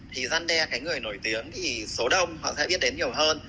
thì gian đe cái người nổi tiếng thì số đông họ sẽ biết đến nhiều hơn